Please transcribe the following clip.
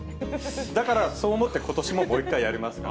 だから、そう思ってことしも、もう一回やりますと。